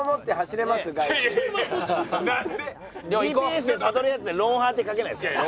ＧＰＳでたどるやつで「ロンハー」って書けないですか？